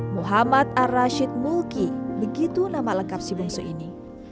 muhammad ar rashid mulki begitu nama lengkap si bungsu ini